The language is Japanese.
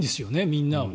みんなを。